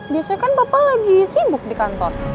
biasanya kan bapak lagi sibuk di kantor